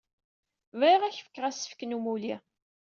Bɣiɣ ad ak-fkeɣ asefk n umulli.